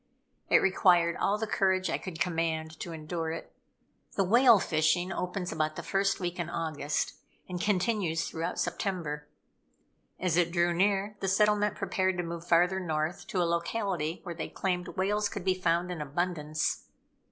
It required all the courage I could command to endure it. The whale fishing opens about the first week in August, and continues throughout September. As it drew near, the settlement prepared to move farther north, to a locality where they claimed whales could be found in abundance.